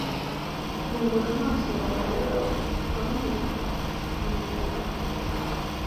Fungura amaso yawe rero umuforomo fungura urebe